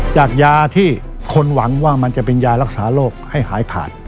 จากยาที่คนหวังว่ามันจะเป็นยารักษาโรคให้หายขาด